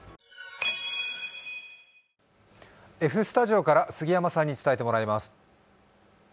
Ｆスタジオから杉山さんに伝えてもらいます。